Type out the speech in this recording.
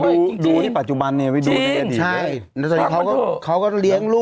ดูดูที่ปัจจุบันนี้ไว้ดูใช่แล้วตอนนี้เขาก็เขาก็เลี้ยงลูก